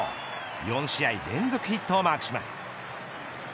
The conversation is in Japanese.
４試合連続ヒットをマークします。